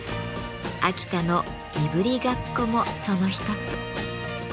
秋田の「いぶりがっこ」もその一つ。